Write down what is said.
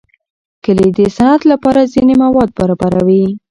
کلي د صنعت لپاره ځینې مواد برابروي.